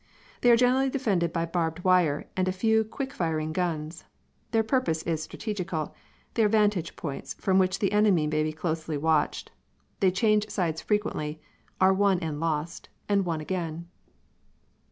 They are generally defended by barbed wire and a few quick firing guns. Their purpose is strategical; they are vantage points from which the enemy may be closely watched. They change sides frequently; are won and lost, and won again.